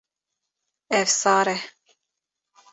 Ev sar e.